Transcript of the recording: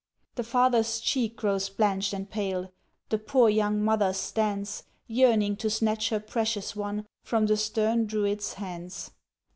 The father's cheek grows blanched and pale, The poor young mother stands, Yearning to snatch her precious one From the stern Druid's hands.